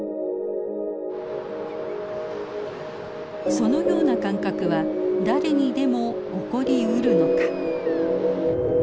そのような感覚は誰にでも起こりうるのか。